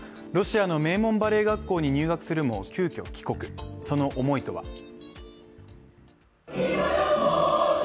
ロシアの名門バレエ学校に入学するも急きょ帰国、その思いとは。